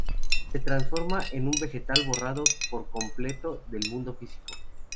Se transforma en un vegetal, borrado por completo del mundo físico.